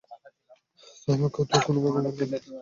তো, আমাকেও তো কোনো ভগবানকে পূজা করতে হবে, কিন্তু কাকে?